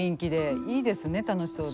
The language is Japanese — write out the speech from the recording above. いいですね楽しそうで。